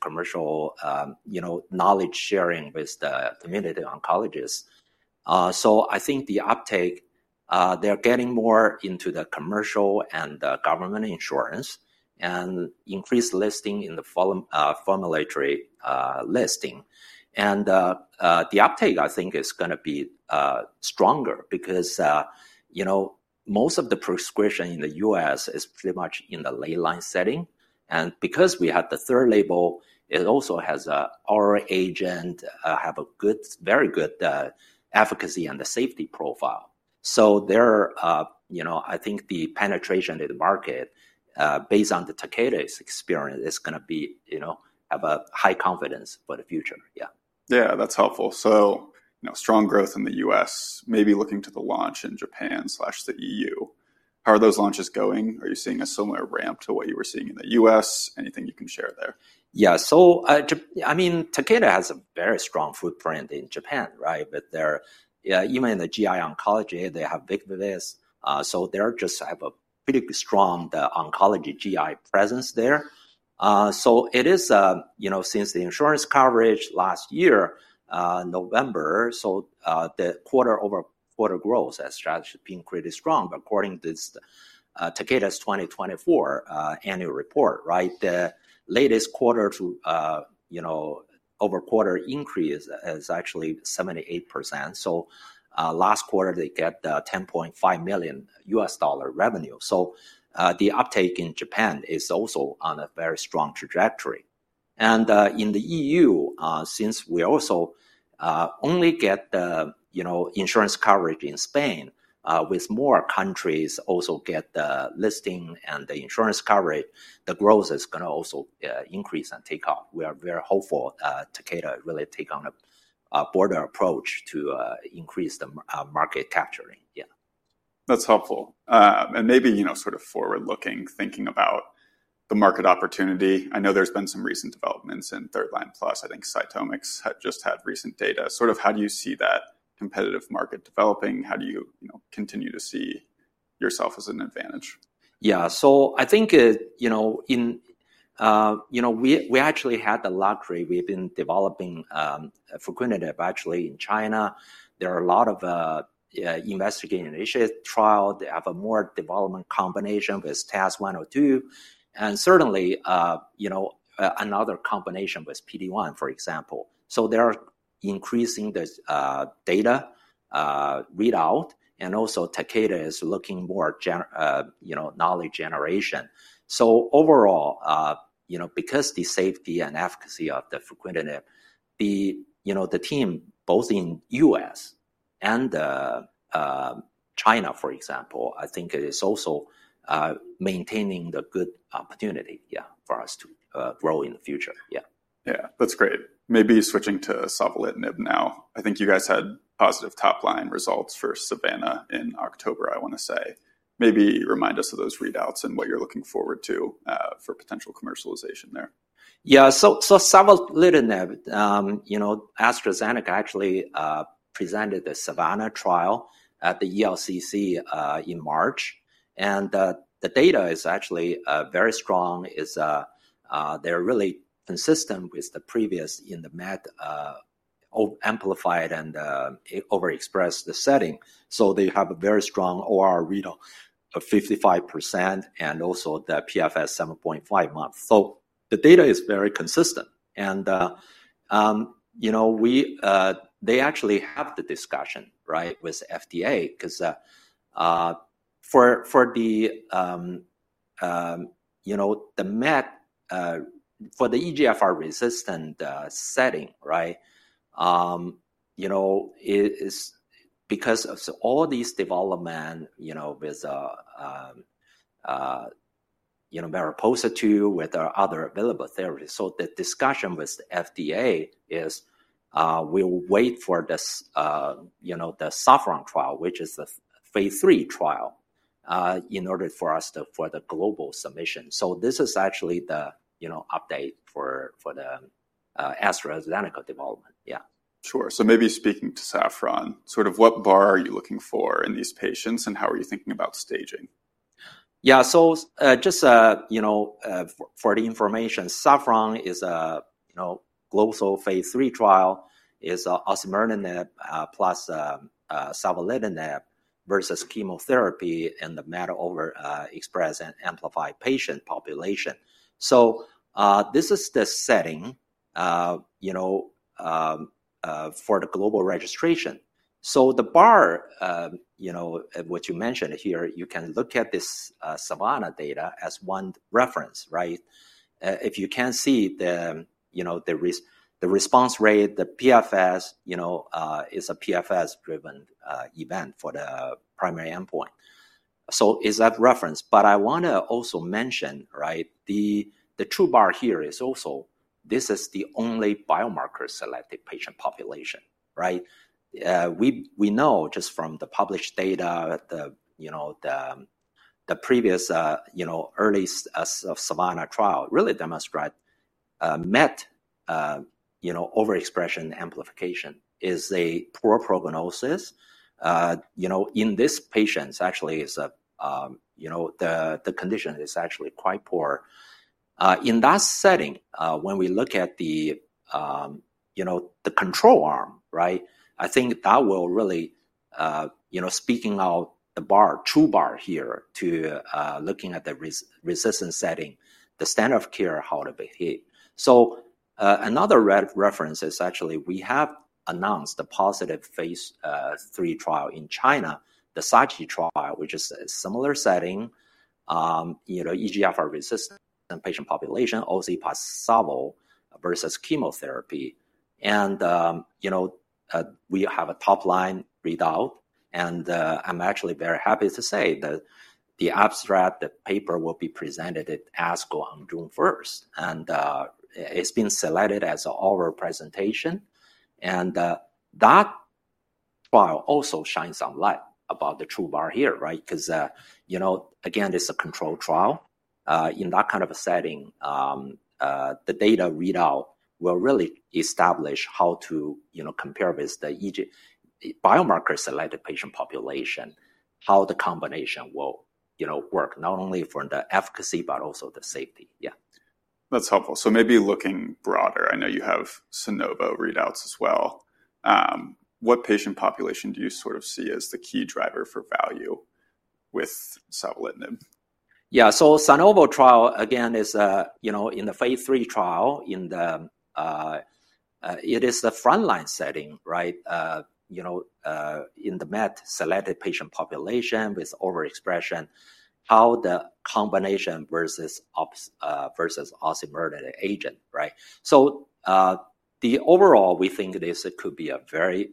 Commercial, you know, knowledge sharing with the community oncologists. I think the uptake, they're getting more into the commercial and the government insurance and increased listing in the formulary listing. The uptake, I think, is going to be stronger because, you know, most of the prescription in the U.S. is pretty much in the late line setting. Because we have the third label, it also has an R agent, have a good, very good, efficacy and the safety profile. I think the penetration in the market, based on Takeda's experience, is going to be, you know, have a high confidence for the future. Yeah. Yeah, that's helpful. You know, strong growth in the U.S., maybe looking to the launch in Japan slash the EU. How are those launches going? Are you seeing a similar ramp to what you were seeing in the U.S.? Anything you can share there? Yeah, so, I mean, Takeda has a very strong footprint in Japan, right? But they're, even in the GI oncology, they have big place. So they're just have a pretty strong oncology GI presence there. So it is, you know, since the insurance coverage last year, November, the quarter over quarter growth has been pretty strong. According to this, Takeda's 2024 annual report, right, the latest quarter to, you know, over quarter increase is actually 78%. Last quarter, they get the $10.5 million revenue. The uptake in Japan is also on a very strong trajectory. In the EU, since we also only get the, you know, insurance coverage in Spain, with more countries also get the listing and the insurance coverage, the growth is going to also increase and take off. We are very hopeful, Takeda really take on a broader approach to increase the market capturing. Yeah. That's helpful. And maybe, you know, sort of forward looking, thinking about the market opportunity. I know there's been some recent developments in third line plus. I think CytomX had just had recent data. Sort of how do you see that competitive market developing? How do you, you know, continue to see yourself as an advantage? Yeah, so I think, you know, we actually had the luxury. We've been developing fruquintinib actually in China. There are a lot of investigator-initiated trials. They have more development combination with TAS-102. And certainly, you know, another combination with PD-1, for example. They are increasing the data readout. Also, Takeda is looking more at, you know, knowledge generation. Overall, you know, because of the safety and efficacy of the fruquintinib, the team both in the U.S. and China, for example, I think it is also maintaining the good opportunity, yeah, for us to grow in the future. Yeah. Yeah, that's great. Maybe switching to sovleplenib now. I think you guys had positive top line results for SAVANNAH in October, I want to say. Maybe remind us of those readouts and what you're looking forward to, for potential commercialization there. Yeah, so sovleplenib, you know, AstraZeneca actually presented the SAVANNAH trial at the ELCC in March. The data is actually very strong. It's really consistent with the previous in the MET amplified and overexpressed setting. They have a very strong ORR readout of 55% and also the PFS 7.5 months. The data is very consistent. You know, they actually have the discussion, right, with FDA because, for the, you know, the MET, for the EGFR resistant setting, right, you know, it is because of all these development, you know, with, you know, MARIPOSA-2 with our other available therapies. The discussion with FDA is, we'll wait for this, you know, the SAFFRON trial, which is the phase III trial, in order for us to, for the global submission. This is actually the, you know, update for the AstraZeneca development. Yeah. Sure. So maybe speaking to SAFFRON, sort of what bar are you looking for in these patients and how are you thinking about staging? Yeah, so, just, you know, for the information, SAFFRON is a, you know, global phase III trial. It is osimertinib plus sovleplenib versus chemotherapy in the MET overexpress and amplified patient population. This is the setting, you know, for the global registration. The bar, you know, what you mentioned here, you can look at this SAVANNAH data as one reference, right? If you can see the, you know, the response rate, the PFS, you know, it is a PFS-driven event for the primary endpoint. It is that reference. I want to also mention, right, the true bar here is also this is the only biomarker-selected patient population, right? We know just from the published data, the, you know, the previous, you know, early SAVANNAH trial really demonstrates MET overexpression amplification is a poor prognosis. You know, in this patient's actually is a, you know, the, the condition is actually quite poor. In that setting, when we look at the, you know, the control arm, right, I think that will really, you know, speaking out the bar, true bar here to, looking at the resistance setting, the standard of care how to behave. Another reference is actually we have announced the positive phase III trial in China, the SACHI trial, which is a similar setting, you know, EGFR resistant patient population, osi plus versus chemotherapy. And, you know, we have a top line readout. I'm actually very happy to say that the abstract, the paper will be presented at ASCO on June 1st. It's been selected as our presentation. That trial also shines some light about the true bar here, right? Because, you know, again, it's a control trial. In that kind of a setting, the data readout will really establish how to, you know, compare with the EG biomarker selected patient population, how the combination will, you know, work not only for the efficacy, but also the safety. Yeah. That's helpful. Maybe looking broader, I know you have SANOVO readouts as well. What patient population do you sort of see as the key driver for value with sovleplenib? Yeah, so SANOVO trial again is, you know, in the phase III trial in the, it is the front line setting, right? You know, in the MET selected patient population with overexpression, how the combination versus ops, versus osimertinib agent, right? The overall, we think this could be a very,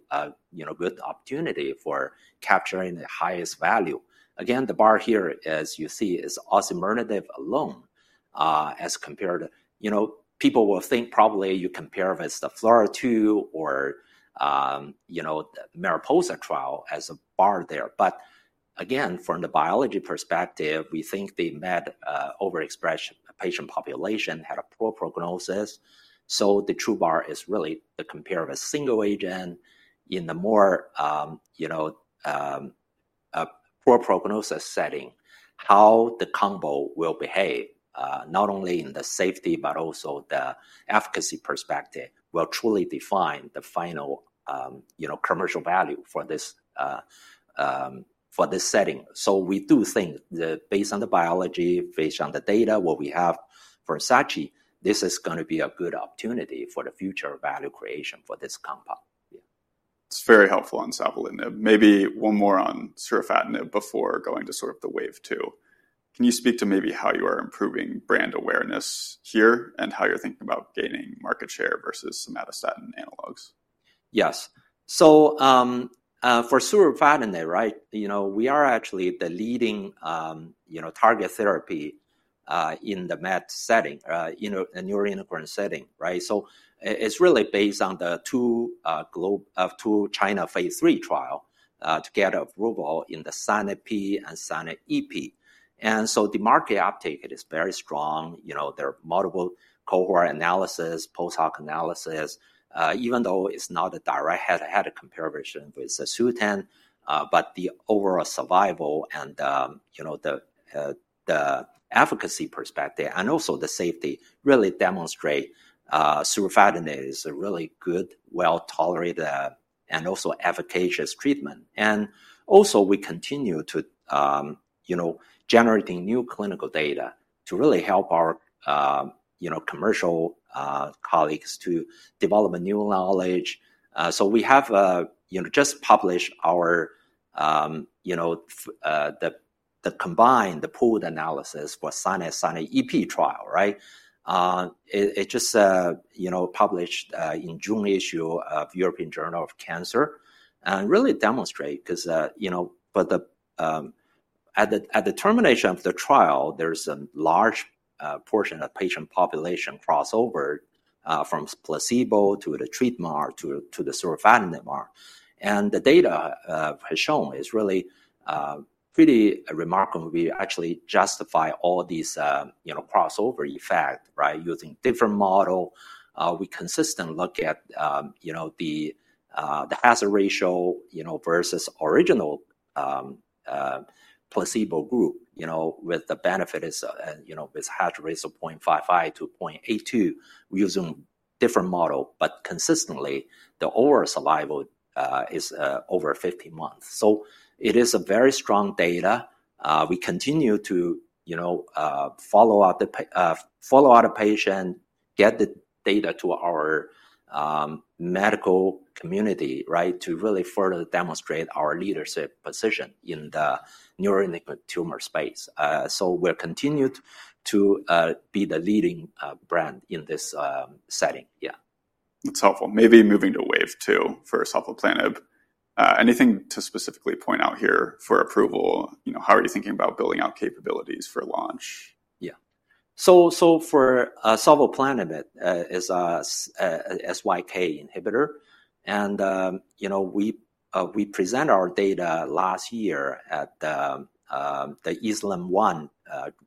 you know, good opportunity for capturing the highest value. Again, the bar here as you see is osimertinib alone, as compared to, you know, people will think probably you compare with the [Fru-02] or, you know, the MARIPOSA trial as a bar there. Again, from the biology perspective, we think the MET overexpression patient population had a poor prognosis. The true bar is really the compare of a single agent in the more, you know, poor prognosis setting, how the combo will behave, not only in the safety, but also the efficacy perspective will truly define the final, you know, commercial value for this, for this setting. We do think that based on the biology, based on the data what we have for SACHI, this is going to be a good opportunity for the future value creation for this compound. Yeah. It's very helpful on sovleplenib. Maybe one more on surufatinib before going to sort of the wave two. Can you speak to maybe how you are improving brand awareness here and how you're thinking about gaining market share versus somatostatin analogs? Yes. For surufatinib, right, you know, we are actually the leading, you know, target therapy in the med setting, in a neuroendocrine setting, right? It is really based on the two global, two China phase III trial, to get approval in the SANET-p and SANET-ep. The market uptake is very strong. You know, there are multiple cohort analysis, post hoc analysis, even though it is not a direct comparison with the Sutent, but the overall survival and, you know, the efficacy perspective and also the safety really demonstrate surufatinib is a really good, well tolerated, and also efficacious treatment. We continue to, you know, generating new clinical data to really help our, you know, commercial colleagues to develop a new knowledge. So we have, you know, just published our, you know, the combined pooled analysis for SANET, SANET-ep trial, right? It just, you know, published in June issue of European Journal of Cancer and really demonstrate because, you know, at the termination of the trial, there's a large portion of patient population crossover from placebo to the treat R to, to the surufatinib R. And the data has shown is really pretty remarkable. We actually justify all these, you know, crossover effect, right, using different model. We consistently look at, you know, the hazard ratio, you know, versus original placebo group, you know, with the benefit is, and, you know, with hazard ratio 0.55-0.82 using different model, but consistently the overall survival is over 15 months. It is a very strong data. We continue to, you know, follow up the patient, get the data to our medical community, right, to really further demonstrate our leadership position in the neuroendocrine tumor space. We'll continue to be the leading brand in this setting. Yeah. That's helpful. Maybe moving to wave two for sovleplenib. Anything to specifically point out here for approval? You know, how are you thinking about building out capabilities for launch? Yeah. For sovleplenib, it is a Syk inhibitor. And, you know, we presented our data last year at the ESLIM-01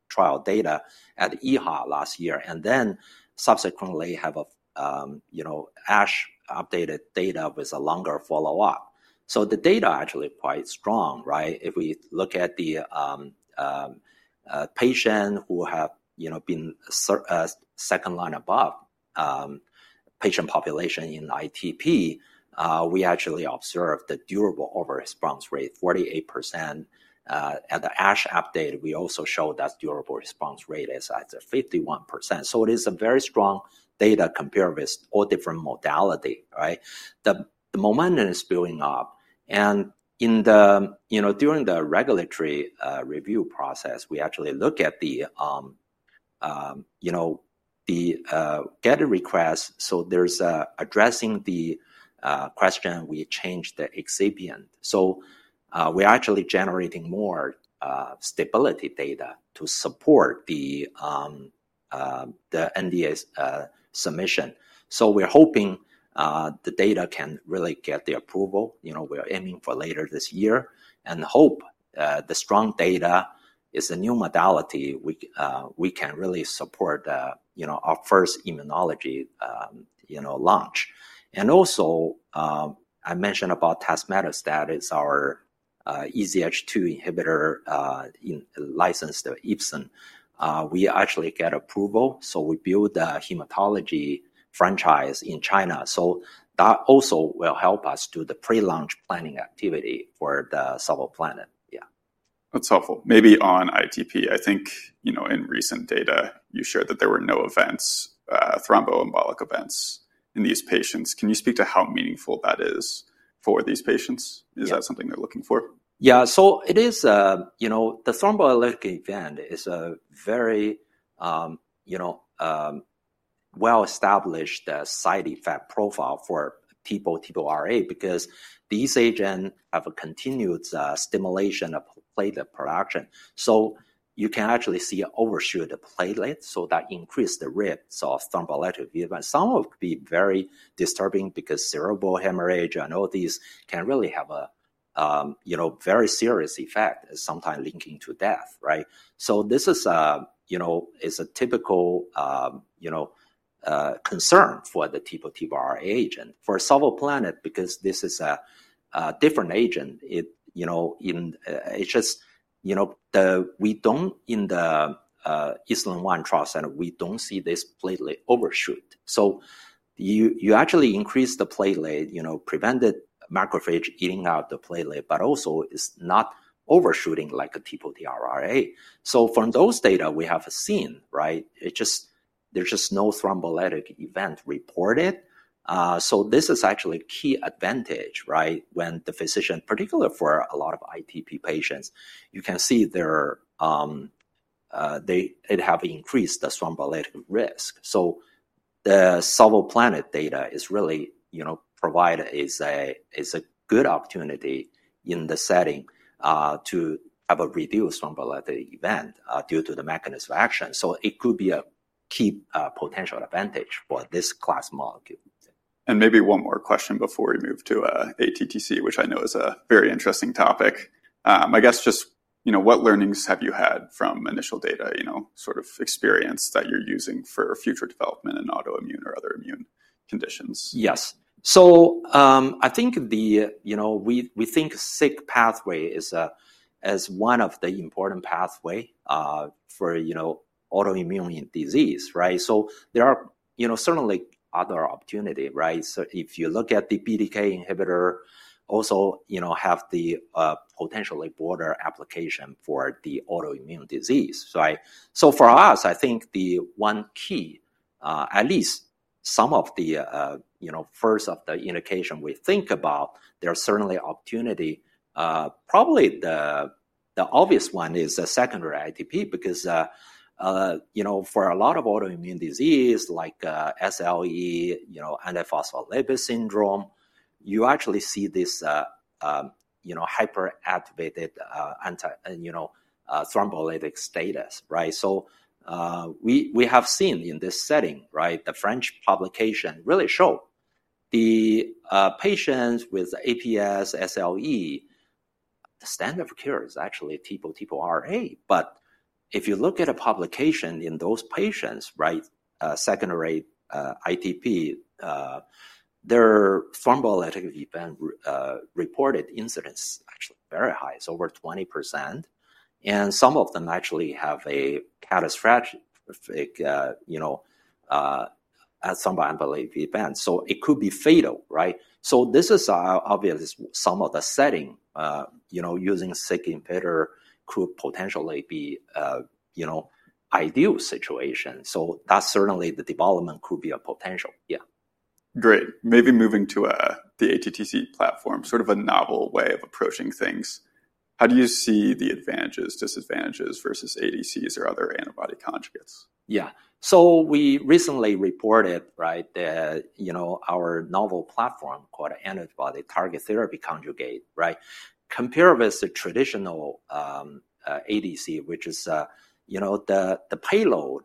trial data at EHA last year. Then subsequently have a, you know, ASH updated data with a longer follow-up. The data is actually quite strong, right? If we look at the patients who have, you know, been in second line and above, patient population in ITP, we actually observed the durable overall response rate, 48%. At the ASH update, we also showed that durable response rate is at 51%. It is very strong data compared with all different modalities, right? The momentum is building up. In the, you know, during the regulatory review process, we actually look at the, you know, the GAD request. There is addressing the question, we changed the excipient. We're actually generating more stability data to support the NDA submission. We're hoping the data can really get the approval. You know, we're aiming for later this year and hope the strong data is a new modality. We can really support, you know, our first immunology, you know, launch. I mentioned about tazemetostat is our EZH2 inhibitor, in-licensed from Ipsen. We actually got approval. So we build a hematology franchise in China. That also will help us do the pre-launch planning activity for the sovleplenib. Yeah. That's helpful. Maybe on ITP, I think, you know, in recent data you shared that there were no events, thromboembolic events in these patients. Can you speak to how meaningful that is for these patients? Is that something they're looking for? Yeah. So it is, you know, the thromboembolic event is a very, you know, well-established side effect profile for people, people RA because these agents have a continued stimulation of platelet production. So you can actually see overshoot the platelet. So that increased the risk of thromboembolic events. Some of it could be very disturbing because cerebral hemorrhage and all these can really have a, you know, very serious effect and sometimes linking to death, right? This is, you know, is a typical, you know, concern for the TPO-RA agent. For sovleplenib, because this is a different agent, it, you know, in, it's just, you know, the, we don't in the ESLIM-01 trial center, we don't see this platelet overshoot. So you, you actually increase the platelet, you know, prevented macrophage eating out the platelet, but also it's not overshooting like a TPO-RA. From those data we have seen, right? It just, there's just no thrombolytic event reported. So this is actually a key advantage, right? When the physician, particularly for a lot of ITP patients, you can see they have increased the thrombolytic risk. So the sovleplenib data is really, you know, provide is a, is a good opportunity in the setting, to have a reduced thrombolytic event, due to the mechanism of action. So it could be a key, potential advantage for this class molecule. Maybe one more question before we move to ATTC, which I know is a very interesting topic. I guess just, you know, what learnings have you had from initial data, you know, sort of experience that you're using for future development in autoimmune or other immune conditions? Yes. I think the, you know, we think Syk pathway is one of the important pathways for, you know, autoimmune disease, right? There are certainly other opportunities, right? If you look at the BTK inhibitor, also, you know, have the potentially broader application for the autoimmune disease. For us, I think the one key, at least some of the, you know, first of the indications we think about, there's certainly opportunity, probably the obvious one is secondary ITP because, you know, for a lot of autoimmune diseases like SLE, you know, antiphospholipid syndrome, you actually see this, you know, hyperactivated, anti, you know, thrombolytic status, right? We have seen in this setting, right, the French publication really showed the patients with APS, SLE, the standard of care is actually TPO-RA. If you look at a publication in those patients, right, secondary ITP, their thrombolytic event, reported incidence actually very high. It's over 20%. And some of them actually have a catastrophic, you know, thromboembolic event. It could be fatal. Right? This is obviously some of the setting, you know, using Syk inhibitor could potentially be, you know, ideal situation. That's certainly the development could be a potential. Yeah. Great. Maybe moving to, the ATTC platform, sort of a novel way of approaching things. How do you see the advantages, disadvantages versus ADCs or other antibody conjugates? Yeah. We recently reported, right, that, you know, our novel platform called Antibody-Targeted Therapy Conjugate, right, compared with the traditional ADC, which is, you know, the payload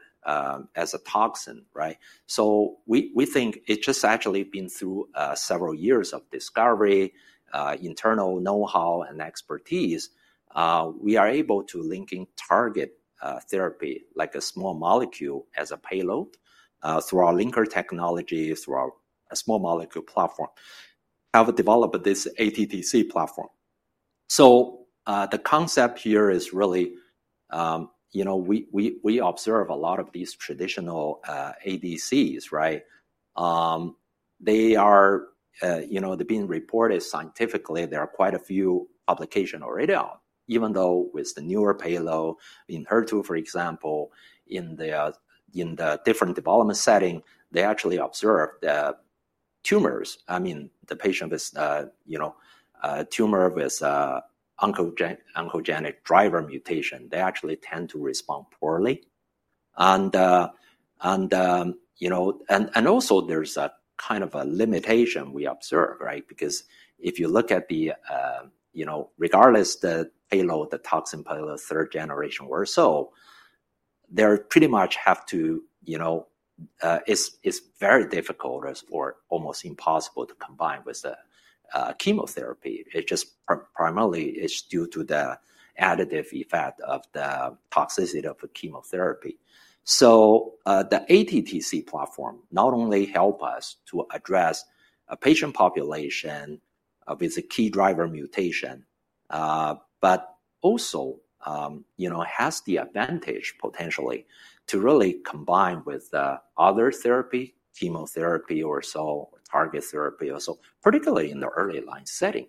as a toxin, right? We think it's just actually been through several years of discovery, internal know-how and expertise, we are able to link in target therapy like a small molecule as a payload, through our linker technology, through our small molecule platform, have developed this ATTC platform. The concept here is really, you know, we observe a lot of these traditional ADCs, right? They are, you know, they've been reported scientifically. There are quite a few publications already out, even though with the newer payload in HER2, for example, in the different development setting, they actually observe the tumors. I mean, the patient with, you know, tumor with, oncogenic driver mutation, they actually tend to respond poorly. And, you know, there's a kind of a limitation we observe, right? Because if you look at the, you know, regardless the payload, the toxin payload, third generation or so, they pretty much have to, you know, it's very difficult or almost impossible to combine with the chemotherapy. It's just primarily it's due to the additive effect of the toxicity of the chemotherapy. The ATTC platform not only helps us to address a patient population with a key driver mutation, but also, you know, has the advantage potentially to really combine with the other therapy, chemotherapy or so, target therapy or so, particularly in the early line setting.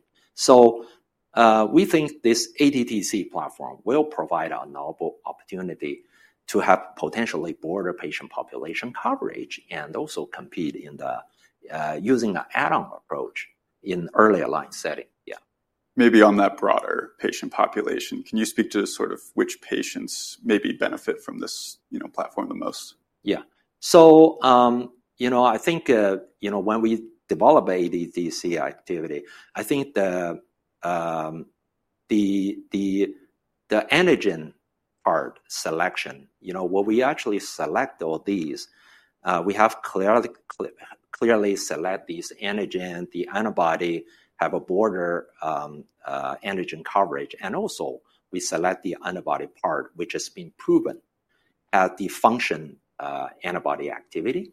We think this ATTC platform will provide a novel opportunity to have potentially broader patient population coverage and also compete in the, using an add-on approach in early line setting. Yeah. Maybe on that broader patient population, can you speak to sort of which patients maybe benefit from this, you know, platform the most? Yeah. So, you know, I think, you know, when we develop ATTC activity, I think the antigen part selection, you know, what we actually select all these, we have clearly, clearly select these antigen, the antibody have a broader antigen coverage. And also we select the antibody part, which has been proven at the function, antibody activity.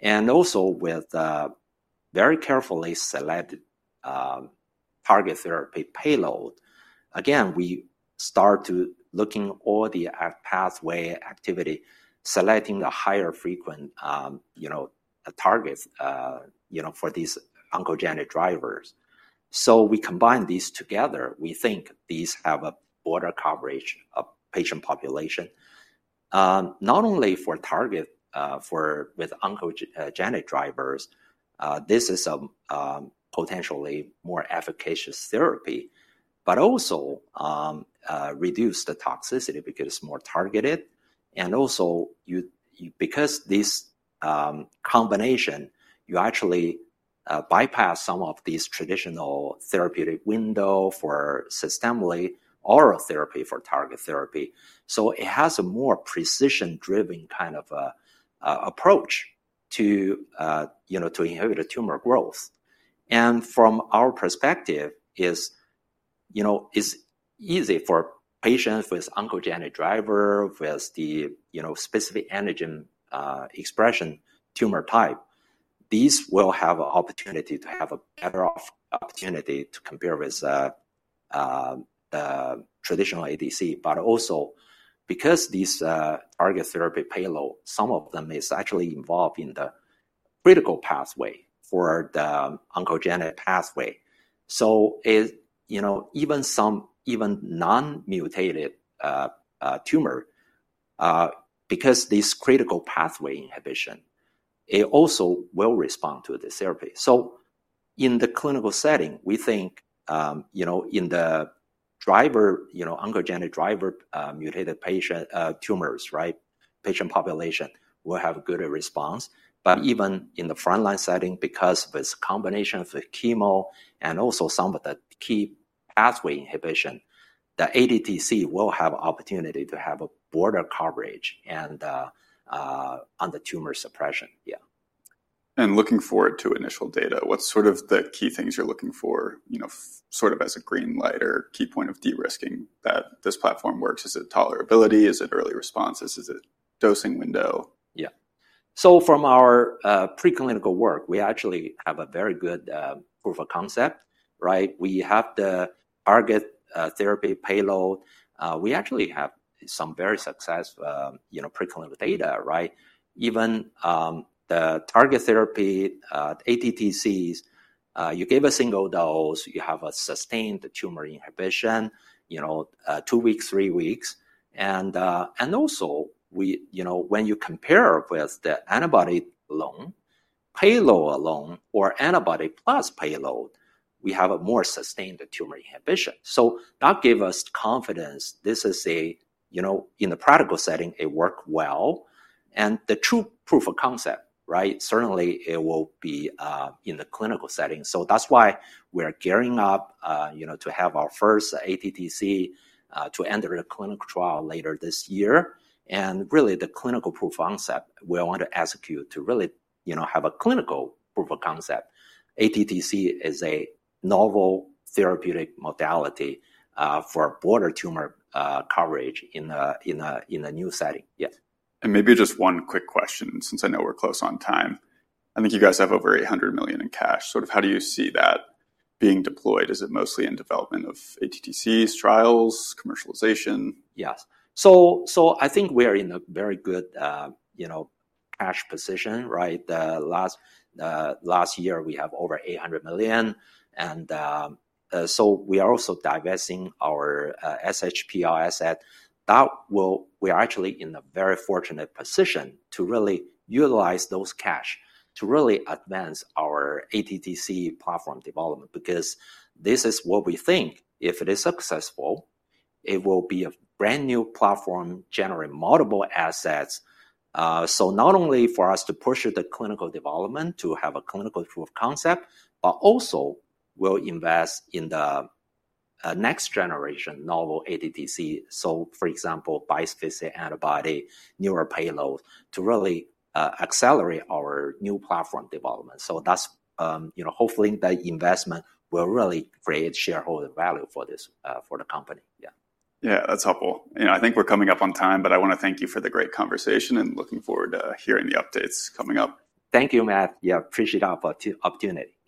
And also with, very carefully selected, target therapy payload, again, we start to looking all the pathway activity, selecting a higher frequent, you know, targets, you know, for these oncogenic drivers. So we combine these together. We think these have a broader coverage of patient population. Not only for target, for with oncogenic drivers, this is a potentially more efficacious therapy, but also, reduce the toxicity because it's more targeted. You, because these combination, you actually bypass some of these traditional therapeutic window for systemically oral therapy for target therapy. It has a more precision-driven kind of approach to, you know, to inhibit a tumor growth. From our perspective, it's easy for patients with oncogenic driver with the, you know, specific antigen expression tumor type. These will have an opportunity to have a better opportunity to compare with the traditional ADC. Also, because these target therapy payload, some of them is actually involved in the critical pathway for the oncogenic pathway. Even some, even non-mutated tumor, because this critical pathway inhibition, it also will respond to the therapy. In the clinical setting, we think, you know, in the driver, you know, oncogenic driver mutated patient tumors, right? Patient population will have a good response. Even in the frontline setting, because of its combination of the chemo and also some of the key pathway inhibition, the ATTC will have an opportunity to have a broader coverage and, on the tumor suppression. Yeah. Looking forward to initial data, what's sort of the key things you're looking for, you know, sort of as a green light or key point of de-risking that this platform works? Is it tolerability? Is it early responses? Is it dosing window? Yeah. So from our preclinical work, we actually have a very good proof of concept, right? We have the target therapy payload. We actually have some very successful, you know, preclinical data, right? Even the target therapy ATTCs, you give a single dose, you have a sustained tumor inhibition, you know, two weeks, three weeks. Also, you know, when you compare with the antibody alone, payload alone, or antibody plus payload, we have a more sustained tumor inhibition. That gives us confidence. This is, you know, in the practical setting, it works well. The true proof of concept, right, certainly will be in the clinical setting. That is why we are gearing up, you know, to have our first ATTC to enter the clinical trial later this year. Really the clinical proof of concept, we want to execute to really, you know, have a clinical proof of concept. ATTC is a novel therapeutic modality, for border tumor coverage in a, in a new setting. Yes. Maybe just one quick question, since I know we're close on time. I think you guys have over $800 million in cash. Sort of how do you see that being deployed? Is it mostly in development of ATTCs, trials, commercialization? Yes. I think we are in a very good, you know, cash position, right? Last year we have over $800 million. We are also divesting our SHPL asset. We are actually in a very fortunate position to really utilize those cash to really advance our ATTC platform development because this is what we think. If it is successful, it will be a brand new platform, generate multiple assets. Not only for us to push the clinical development to have a clinical proof of concept, but also we will invest in the next generation novel ATTC. For example, bisphenic acid antibody, newer payload to really accelerate our new platform development. That investment will really create shareholder value for the company. Yeah. Yeah, that's helpful. I think we're coming up on time, but I want to thank you for the great conversation and looking forward to hearing the updates coming up. Thank you, Matt. Yeah, appreciate our opportunity.